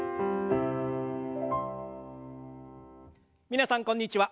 皆さんこんにちは。